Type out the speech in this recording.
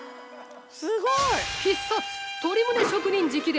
◆必殺鶏むね職人直伝！